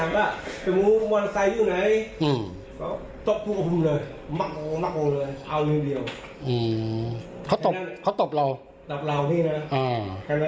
เขาตกเขาตกเราตับเราพี่น่ะอ่าอะเดี๋ยวนั้นก็คงอ่ะ